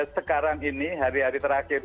sekarang ini hari hari terakhir